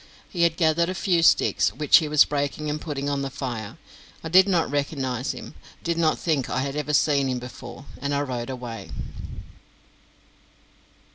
He had gathered a few sticks, which he was breaking and putting on the fire. I did not recognise him, did not think I had ever seen him before, and I rode away.